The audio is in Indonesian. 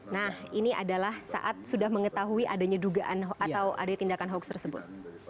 nah ini adalah saat sudah mengetahui adanya dugaan atau ada tindakan hoax tersebut